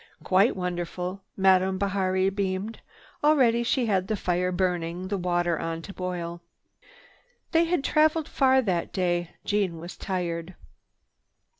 "Quite wonderful." Madame Bihari beamed. Already she had the fire burning, the water on to boil. They had traveled far that day. Jeanne was tired.